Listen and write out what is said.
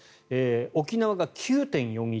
沖縄が９．４１